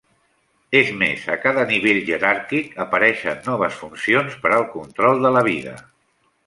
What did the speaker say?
És més, a cada nivell jeràrquic, apareixen noves funcions per al control de la vida.